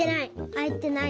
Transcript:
あいてない。